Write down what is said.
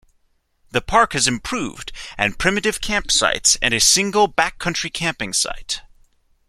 The park has improved and primitive campsites and a single backcountry camping site.